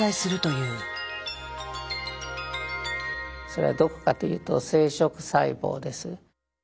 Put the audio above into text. それはどこかというと生殖細胞です。